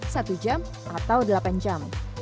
satu jam atau delapan jam